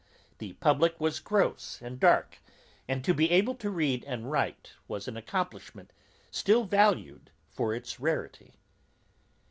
The publick was gross and dark; and to be able to read and write, was an accomplishment still valued for its rarity.